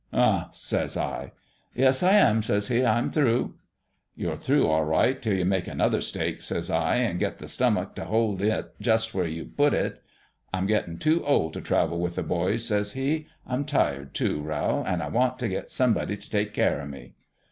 "' Huh !' says I. "' Yes, I am,' says he. ' I'm through: "' You're through, all right, 'til you make another stake,' says I, 'an' get the stomach t' hold it just where you'll put it.' "' I'm gettin' too old t' travel with the boys,' says he. ' I'm tired, too, Rowl ; an' I want t' get somebody t' take care o' me.'